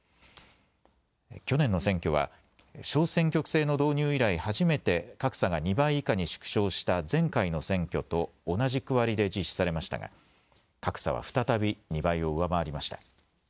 去年の選挙は小選挙区制の導入以来、初めて格差が２倍以下に縮小した前回の選挙と同じ区割りで実施されましたが格差は再び２倍を上回りました。